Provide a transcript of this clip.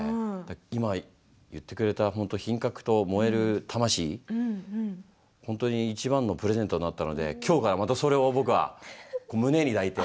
今、言ってくれた本当にいちばんのプレゼントになったのできょうからまたそれを僕は胸に抱いて。